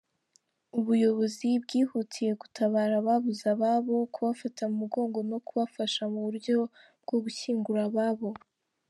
Ubuyobozi bw’ihutiye gutabara ababuze ababo, kubafata mu mugongo no kubafasha muburyo bwogushyingura ababo.